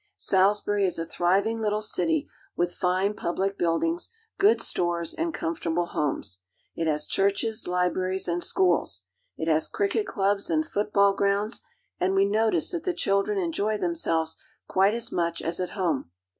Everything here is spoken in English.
Salisbury is a thriving little city with fine public build good stores, and comfortable homes. It has churches, 1, and schools. It has cricket clubs and football 28o AFRICA grounds, and we notice that the children enjoy themselves quite as much as at home.